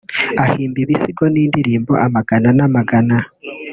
Ahimba ibisigo n’indirimbo amagana n’amagana